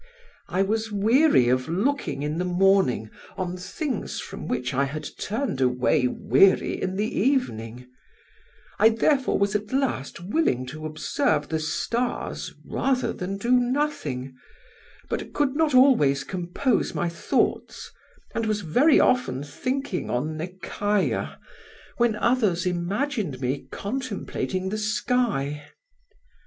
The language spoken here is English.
I was weary of looking in the morning on things from which I had turned away weary in the evening: I therefore was at last willing to observe the stars rather than do nothing, but could not always compose my thoughts, and was very often thinking on Nekayah when others imagined me contemplating the sky.